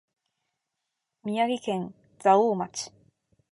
宮城県蔵王町